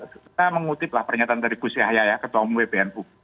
saya mengutip lah pernyataan dari bu siaya ya ketua umu bpnu